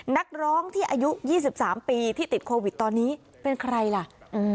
นักร้องที่อายุ๒๓ปีที่ติดโควิดตอนนี้เป็นใครล่ะ